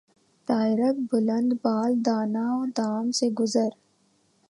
طائرک بلند بال دانہ و دام سے گزر